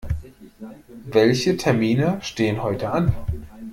Welche Termine stehen heute an?